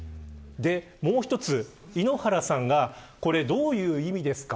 もう一つ、井ノ原さんがこれ、どういう意味ですか。